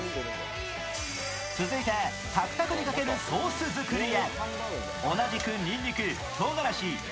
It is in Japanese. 続いて、タクタクにかけるソース作りへ。